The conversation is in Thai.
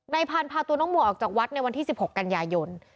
พันธุ์พาตัวน้องมัวออกจากวัดในวันที่๑๖กันยายน